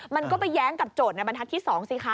มันก็ไปแย้งกับโจทย์ในบรรทัศน์ที่๒สิคะ